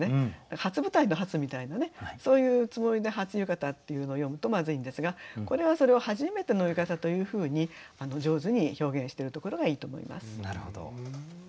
「初舞台」の「初」みたいなそういうつもりで「初浴衣」っていうのを詠むとまずいんですがこれはそれを「はじめての浴衣」というふうに上手に表現してるところがいいと思います。